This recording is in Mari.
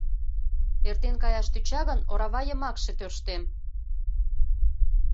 Эртен каяш тӧча гын, орава йымакше тӧрштем».